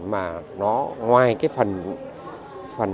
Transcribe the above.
mà nó ngoài cái phần